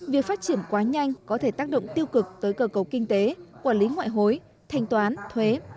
việc phát triển quá nhanh có thể tác động tiêu cực tới cơ cầu kinh tế quản lý ngoại hối thanh toán thuế